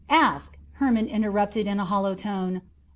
"Ask," Hermon interrupted in a hollow tone.